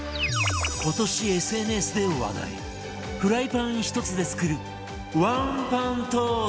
今年 ＳＮＳ で話題フライパン１つで作るワンパントースト